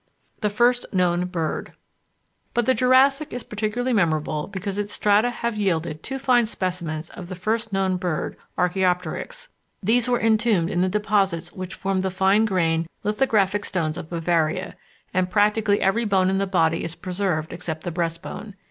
The First Known Bird But the Jurassic is particularly memorable because its strata have yielded two fine specimens of the first known bird, Archæopteryx. These were entombed in the deposits which formed the fine grained lithographic stones of Bavaria, and practically every bone in the body is preserved except the breast bone.